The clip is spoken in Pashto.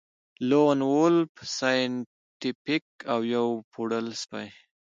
لون وولف سایینټیفیک او یو پوډل سپی